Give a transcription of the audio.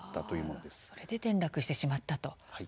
それで転落してしまったと。